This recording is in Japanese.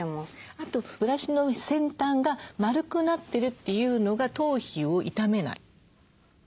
あとブラシの先端が丸くなってるというのが頭皮を傷めない。